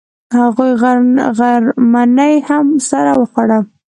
هغوی غرمنۍ هم سره وخوړه.